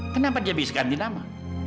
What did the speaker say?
kenapa dia bisa ganti nama